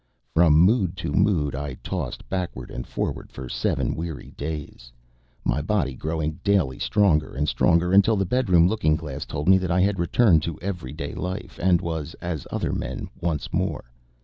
From mood to mood I tossed backward and forward for seven weary days; my body growing daily stronger and stronger, until the bedroom looking glass told me that I had returned to everyday life, and was as other men once more.